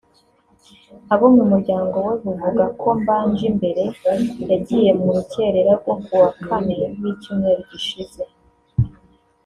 Abo mu muryango we buvuga ko Mbanjimbere yagiye mu rukerera rwo ku wa Kane w’icyumweru gishize